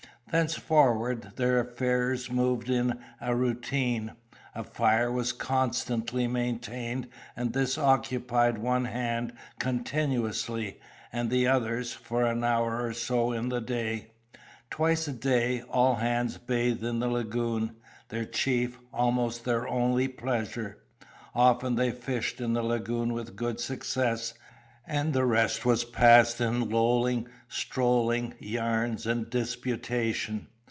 Thenceforward their affairs moved in a routine. A fire was constantly maintained; and this occupied one hand continuously, and the others for an hour or so in the day. Twice a day, all hands bathed in the lagoon, their chief, almost their only pleasure. Often they fished in the lagoon with good success. And the rest was passed in lolling, strolling, yarns, and disputation.